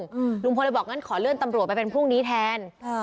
อืมลุงพลเลยบอกงั้นขอเลื่อนตำรวจไปเป็นพรุ่งนี้แทนเออ